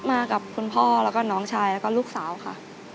มากับคุณพ่อแล้วก็น้องชายแล้วก็ลูกสาวค่ะ